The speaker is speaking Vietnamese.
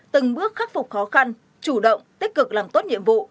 từng bước khắc phục khó khăn chủ động tích cực làm tốt nhiệm vụ